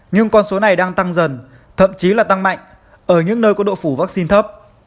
nhưng con số này đang tăng dần thậm chí là tăng mạnh ở những nơi có độ phủ vaccine thấp